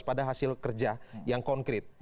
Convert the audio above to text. pada hasil kerja yang konkret